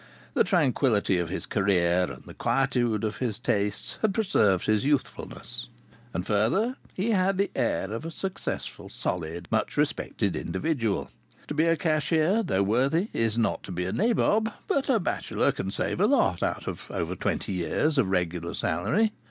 The tranquillity of his career and the quietude of his tastes had preserved his youthfulness. And, further, he had the air of a successful, solid, much respected individual. To be a cashier, though worthy, is not to be a nabob, but a bachelor can save a lot out of over twenty years of regular salary.